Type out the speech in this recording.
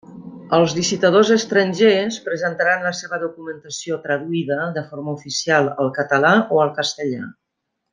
Els licitadors estrangers presentaran la seva documentació traduïda de forma oficial al català o al castellà.